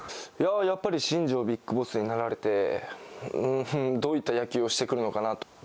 やっぱり新庄ＢＩＧＢＯＳＳになられて、どういった野球をしてくるのかなと。